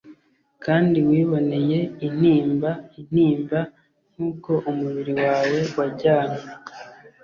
kandi wiboneye intimba intimba nkuko umubiri wawe wajyanywe